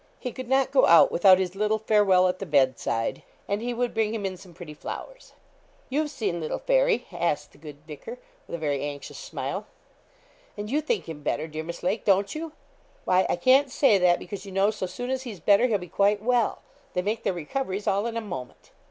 He could not go out without his little farewell at the bed side, and he would bring him in some pretty flowers. 'You've seen little Fairy!' asked the good vicar, with a very anxious smile, 'and you think him better, dear Miss Lake, don't you?' 'Why, I can't say that, because you know, so soon as he's better, he'll be quite well; they make their recoveries all in a moment.'